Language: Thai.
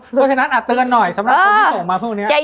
เพราะฉะนั้นเตือนหน่อยสำหรับคนที่ส่งมาพวกนี้